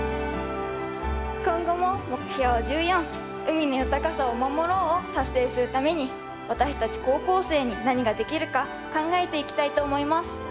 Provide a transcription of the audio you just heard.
今後も目標１４「海の豊かさを守ろう」を達成するために私たち高校生に何ができるか考えていきたいと思います。